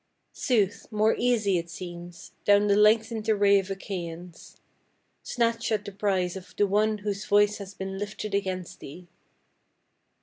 Sooth, more easy it seems, down the lengthened array of Achaians, Snatch at the prize of the one whose voice has been lifted against thee.